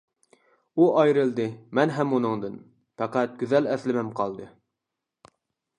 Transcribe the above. ئۇ ئايرىلدى مەن ھەم ئۇنىڭدىن، پەقەت گۈزەل ئەسلىمەم قالدى.